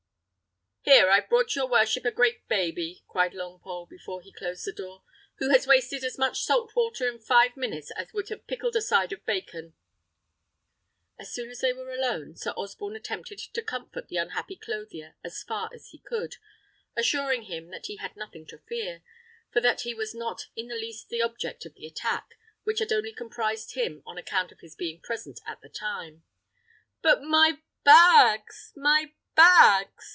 "Here, I've brought your worship a great baby," cried Longpole, before he closed the door, "who has wasted as much salt water in five minutes as would have pickled a side of bacon." As soon as they were alone, Sir Osborne attempted to comfort the unhappy clothier as far as he could, assuring him that he had nothing to fear; for that he was not in the least the object of the attack, which had only comprised him on account of his being present at the time. "But my bags! my bags!"